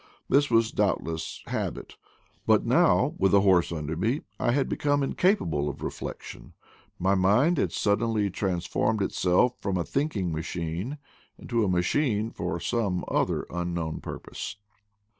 This was doubtless habit; but now, with a horse under me, I had become incapable of reflection: my mind 210 IDLE DAYS IN PATAGONIA had suddenly transformed itself from a thinking machine into a machine for some other unknown purpose.